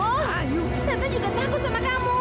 setan juga takut sama kamu